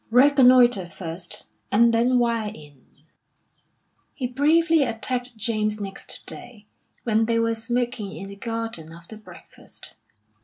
Reconnoitre first, and then wire in." He bravely attacked James next day, when they were smoking in the garden after breakfast.